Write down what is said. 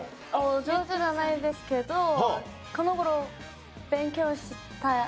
上手じゃないですけどこの頃勉強しています。